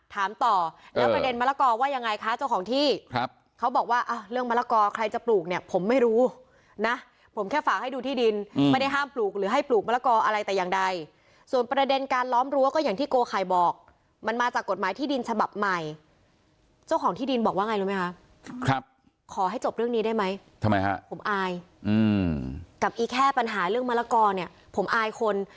ถามต่อแล้วประเด็นมะละกอว่ายังไงคะเจ้าของที่ครับเขาบอกว่าเรื่องมะละกอใครจะปลูกเนี่ยผมไม่รู้นะผมแค่ฝากให้ดูที่ดินไม่ได้ห้ามปลูกหรือให้ปลูกมะละกออะไรแต่อย่างใดส่วนประเด็นการล้อมรั้วก็อย่างที่โกไข่บอกมันมาจากกฎหมายที่ดินฉบับใหม่เจ้าของที่ดินบอกว่าไงรู้ไหมคะครับขอให้จบเรื่องนี้ได้ไหมทำไมฮะผมอายกับอีแค่ปัญหาเรื่องมะละกอเนี่ยผมอายคน